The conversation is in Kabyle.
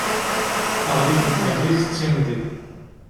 aɣlif n tmerrit d tinḍi